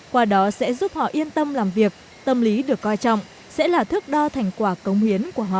qua đó sẽ giúp họ yên tâm làm việc tâm lý được coi trọng sẽ là thước đo thành quả công hiến của họ